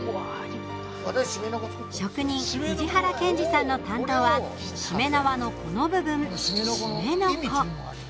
職人、藤原健次さんの担当はしめ縄のこの部分、しめの子。